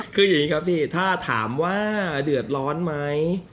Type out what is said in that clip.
คืออย่างนี้ครับพี่ถ้าถามว่าเดือดร้อนไหม